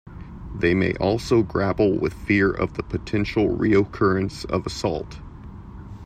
They may also grapple with fear of the potential reoccurrence of assault.